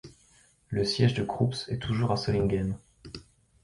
Le siège de Krups est toujours à Solingen.